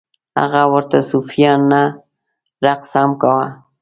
هغه ورته صوفیانه رقص هم کاوه.